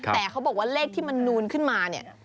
แต่เขาบอกว่าเลขที่มันนูนขึ้นมาเนี่ย